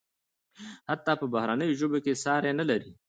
حتی په بهرنیو ژبو کې ساری نلري.